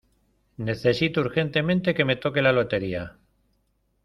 Necesito urgentemente que me toque la lotería.